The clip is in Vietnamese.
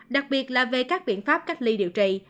đặc biệt là về các biện pháp cách ly điều trị